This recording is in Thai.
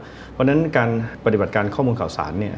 เพราะฉะนั้นการปฏิบัติการข้อมูลข่าวสารเนี่ย